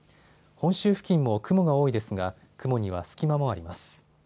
本州付近も雲が多いですが雲には隙間もあります。